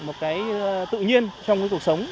một cái tự nhiên trong cuộc sống